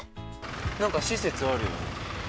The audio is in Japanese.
何か施設あるよ。